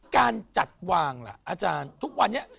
การจัดวางล่ะอาจารย์ทุกวันนี้